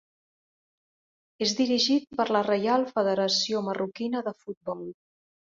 És dirigit per la Reial Federació Marroquina de Futbol.